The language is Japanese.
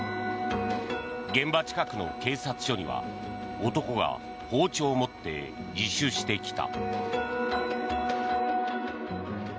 現場近くの警察署には男が包丁を持って自首してきた。